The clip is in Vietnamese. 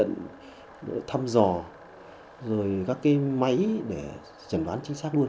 các phương tiện thăm dò các máy trần đoán chính xác